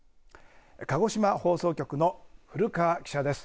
鹿児島放送局の古河記者です。